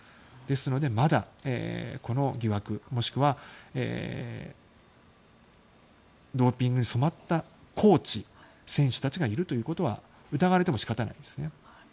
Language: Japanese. ですので、まだこの疑惑、もしくはドーピングに染まったコーチ選手たちがいるということは疑われても仕方ないですね。